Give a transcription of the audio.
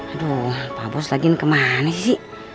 aduh pak bos lagi ini kemana sih